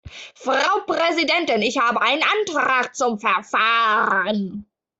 Frau Präsidentin! Ich habe einen Antrag zum Verfahren.